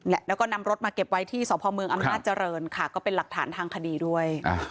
แล้วก็นำรถมาเก็บไว้ที่สพเมืองอำนาจเจริญค่ะก็เป็นหลักฐานทางคดีด้วย